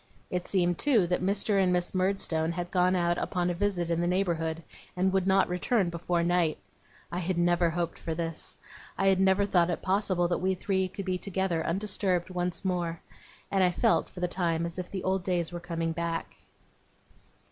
It seemed, too, that Mr. and Miss Murdstone had gone out upon a visit in the neighbourhood, and would not return before night. I had never hoped for this. I had never thought it possible that we three could be together undisturbed, once more; and I felt, for the time, as if the old days were come back.